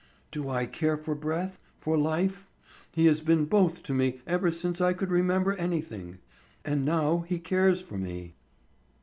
"Do I care for breath, for life? He has been both to me ever since I could remember anything. And now he cares for me."